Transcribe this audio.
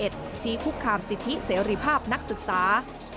ชี้คุกคามสิทธิเสรีภาพนักศึกษา